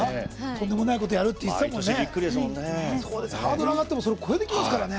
とんでもないことやるって言ってたもんね。